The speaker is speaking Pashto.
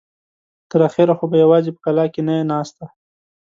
تر اخره خو به يواځې په کلاکې نه يې ناسته.